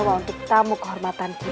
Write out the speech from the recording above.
jangan menutup perutnya